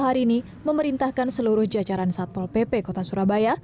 hari ini memerintahkan seluruh jajaran satpol pp kota surabaya